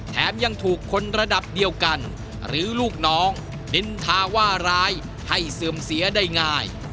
แถมยังถูกคนระดับเดียวกันหรือลูกน้องนินทาว่าร้ายให้เสื่อมเสียได้ง่าย